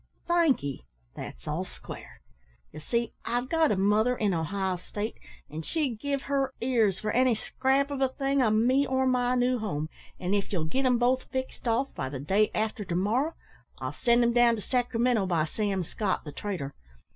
"Thank'ee; that's all square. Ye see, I've got a mother in Ohio State, an' she'd give her ears for any scrap of a thing o' me or my new home; an' if ye'll git 'em both fixed off by the day arter to morrow, I'll send 'em down to Sacramento by Sam Scott, the trader.